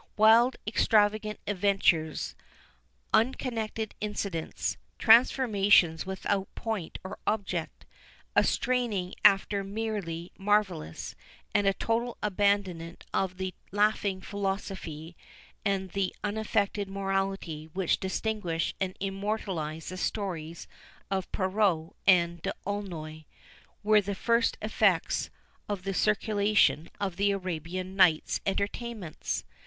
Wild, extravagant adventures, unconnected incidents, transformations without point or object, a straining after the merely marvellous, and a total abandonment of the laughing philosophy and the unaffected morality which distinguish and immortalize the stories of Perrault and d'Aulnoy, were the first effects of the circulation of the Arabian Nights Entertainments.